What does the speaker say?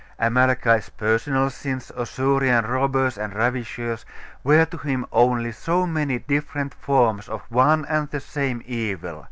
Amalekites, personal sins, Ausurian robbers and ravishers, were to him only so many different forms of one and the same evil.